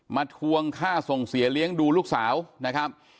ทวงค่าส่งเสียเลี้ยงดูลูกสาวนะครับ